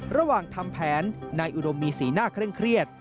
ระหว่างทำแผนนายอุดมมีสีหน้าเคร่งเครียด